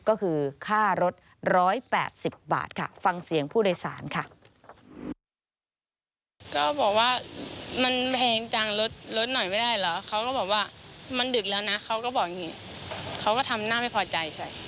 ก็คือค่ารถ๑๘๐บาทค่ะฟังเสียงผู้โดยสารค่ะ